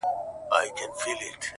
• که آرام غواړې، د ژوند احترام وکړه.